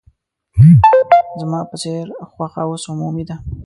زما په څېر خوښه اوس عمومي ده.